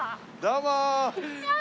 どうも。